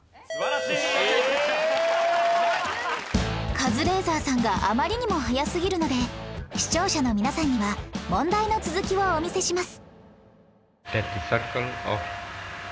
カズレーザーさんがあまりにも早すぎるので視聴者の皆さんには問題の続きをお見せします